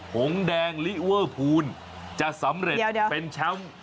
หงแดงลิเวอร์พูลจะสำเร็จเป็นแชมป์